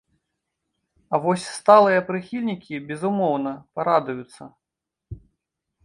А вось сталыя прыхільнікі, безумоўна, парадуюцца.